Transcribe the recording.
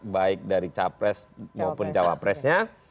baik dari capres maupun jawa presnya